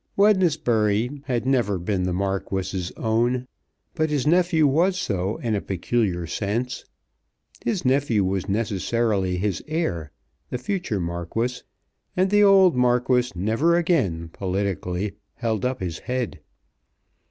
Wednesbury had never been the Marquis's own; but his nephew was so in a peculiar sense. His nephew was necessarily his heir, the future Marquis, and the old Marquis never again, politically, held up his head.